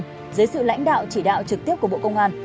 dưới sự lãnh đạo chỉ đạo trực tiếp của bộ công an